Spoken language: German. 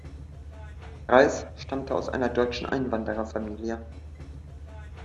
Rice stammte aus einer deutschen Einwandererfamilie.